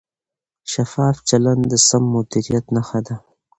شفاف چلند د سم مدیریت نښه ده.